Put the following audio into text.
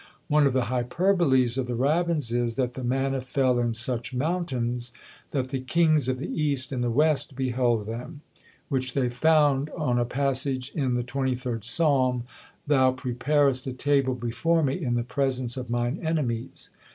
One of the hyperboles of the rabbins is, that the manna fell in such mountains, that the kings of the east and the west beheld them; which they found on a passage in the 23rd Psalm; "Thou preparest a table before me in the presence of mine enemies!"